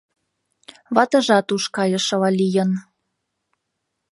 — Ватыжат уш кайышыла лийын.